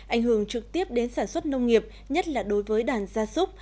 ảnh hưởng trực tiếp đến sản xuất nông nghiệp nhất là đối với đàn gia súc